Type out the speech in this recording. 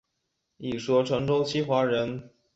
一说陈州西华人。